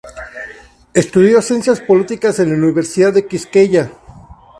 Estudió ciencias políticas en la Universidad Quisqueya.